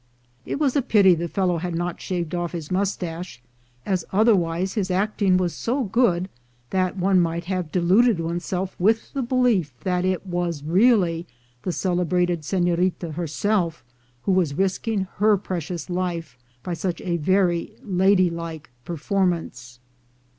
It was a pity the fellow had not shaved off his mustache, as otherwise his acting was so good that one might have deluded oneself with the belief that it was really the celebrated senorita herself who was risking her precious life by such a very ladylike performance.